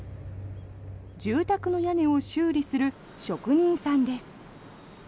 住宅の屋根を修理する職人さんです。